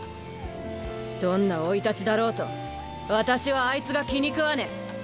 どんな生い立ちだろうと私はあいつが気にくわねぇ。